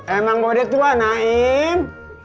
emang bodet tua naim